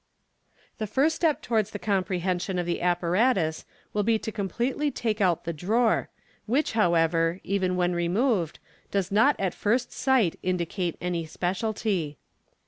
The first step towards the comprehension of the apparatus will be to completely take out the drawer, which, however, even when re moved, does not at first sight indicate any speciality.